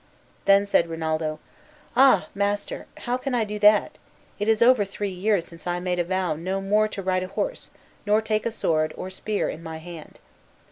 Then said Rinaldo, "Ah! master, how can I do that? It is over three years since I made a vow no more to ride a horse, nor take a sword or spear in my hand."